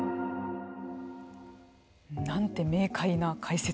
なんて明快な解説。